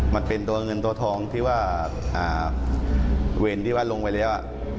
มันเป็นตัวเงินตัวทองที่ว่าเวรที่ว่าลงไปแล้ว